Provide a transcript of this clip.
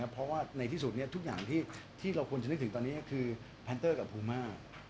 เพราะว่าในที่สุดทุกอย่างที่เราควรจะนึกถึงตอนนี้คือแพนเตอร์กับภูมา